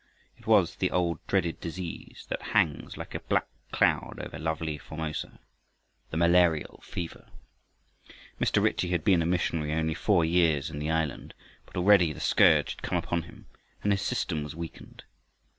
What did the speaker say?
It was the old dreaded disease that hangs like a black cloud over lovely Formosa, the malarial fever. Mr. Ritchie had been a missionary only four years in the island, but already the scourge had come upon him, and his system was weakened.